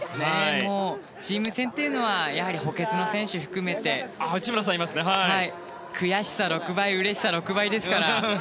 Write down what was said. チーム戦というのは補欠の選手も含めて悔しさ６倍うれしさ６倍ですから。